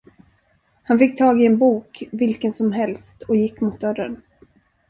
Han fick tag i en bok vilken som helst och gick mot dörren.